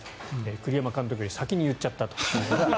栗山監督より先に言っちゃったと。